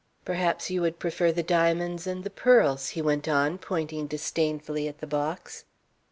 "Perhaps you would prefer the diamonds and the pearls," he went on, pointing disdainfully at the box.